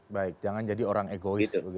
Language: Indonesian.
baik jangan jadi orang egois